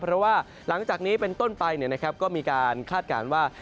เพราะว่าหลังจากนี้เป็นต้นไปก็มีการคาดการณ์ว่า